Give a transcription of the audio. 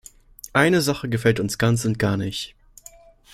Eine Sache gefällt uns ganz und gar nicht.